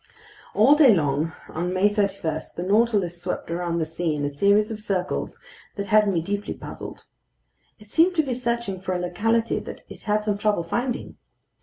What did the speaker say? All day long on May 31, the Nautilus swept around the sea in a series of circles that had me deeply puzzled. It seemed to be searching for a locality that it had some trouble finding.